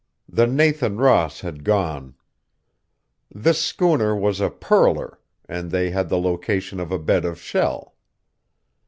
"The Nathan Ross had gone. This schooner was a pearler, and they had the location of a bed of shell.